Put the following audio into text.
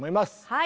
はい。